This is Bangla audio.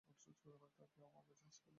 তাকে আমার কাছে আসতে বল।